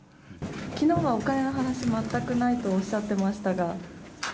きのうはお金の話、全くないとおっしゃってましたが？